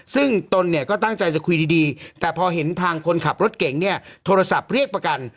ซึ่งตนเนี่ยก็ตั้งใจจะคุยดีแต่พอเห็นทางคนขับรถเก่งเนี่ยโทรศัพท์เรียกประกัน